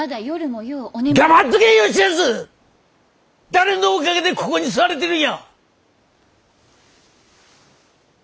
誰のおかげでここに座れてるんや！